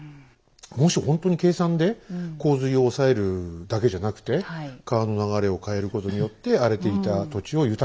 もしほんとに計算で洪水を抑えるだけじゃなくて川の流れを変えることによって荒れていた土地を豊かな土地に生まれ変わらせるっていうのを